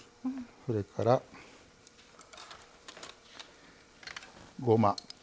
それから、ごま。